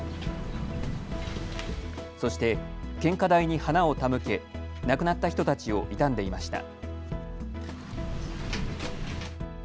そして献花台に花を手向け亡くなった人たちを悼んでいました。